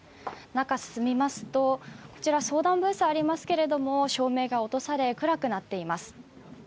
中、進みますと相談ブースありますけれども照明が落とされ、暗くなっています